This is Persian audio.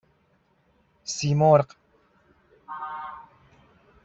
سیمرغ